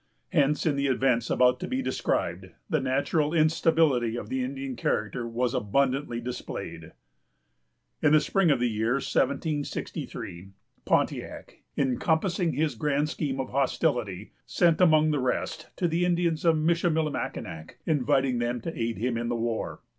Hence, in the events about to be described, the natural instability of the Indian character was abundantly displayed. In the spring of the year 1763, Pontiac, in compassing his grand scheme of hostility, sent, among the rest, to the Indians of Michillimackinac, inviting them to aid him in the war.